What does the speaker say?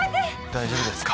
大丈夫ですか？